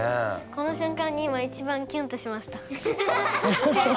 この瞬間に今一番キュンとしました。